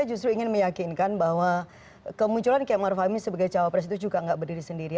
karena saya ingin meyakinkan bahwa kemunculan kiai ma'ruf amin sebagai cawapres itu juga tidak berdiri sendiri